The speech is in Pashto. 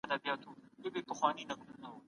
مالګه د وینې فشار لوړوي.